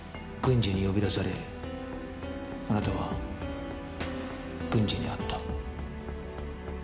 軍司に呼び出されあなたは軍司に会った。